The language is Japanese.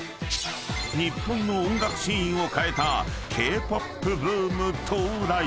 ［日本の音楽シーンを変えたＫ−ＰＯＰブーム到来］